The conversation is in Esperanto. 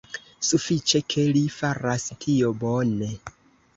Sufiĉe ke li faras tio bone.